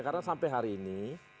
karena sampai hari ini